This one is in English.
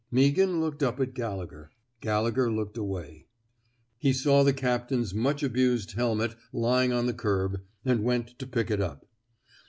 Meaghan looked up at Gallegher. Galle gher looked away. He saw the captain's much abused helmet lying on the curb, and went to pick it up.